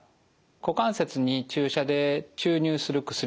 股関節に注射で注入する薬です。